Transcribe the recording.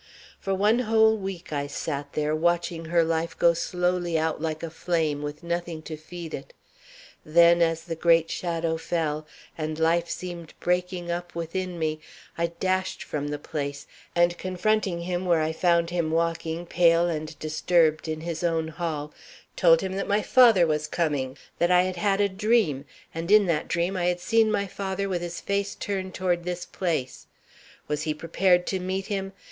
For one whole week I sat there, watching her life go slowly out like a flame, with nothing to feed it; then as the great shadow fell, and life seemed breaking up within me, I dashed from the place, and confronting him where I found him walking, pale and disturbed, in his own hall, told him that my father was coming; that I had had a dream, and in that dream I had seen my father with his face turned toward this place. Was he prepared to meet him?